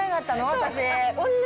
私。